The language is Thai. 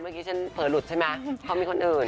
เมื่อกี้ฉันเผลอหลุดใช่ไหมเขามีคนอื่น